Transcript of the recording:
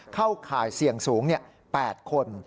ข่ายเสี่ยงสูง๘คน